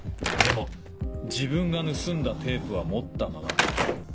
でも自分が盗んだテープは持ったまま。